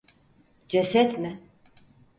Ceset mi?